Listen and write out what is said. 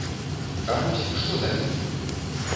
А вось што далей?